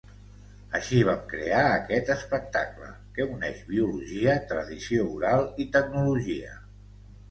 Així vam crear aquest espectacle, que uneix biologia, tradició oral i tecnologia.